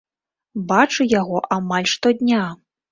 Бачу яго амаль штодня.